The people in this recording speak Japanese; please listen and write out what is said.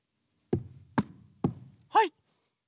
はい！